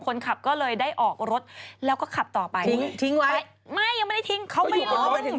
คนขับก็เลยได้ออกรถแล้วก็ขับต่อไปทิ้งทิ้งไว้ไม่ยังไม่ได้ทิ้งเขาไม่ได้ทิ้ง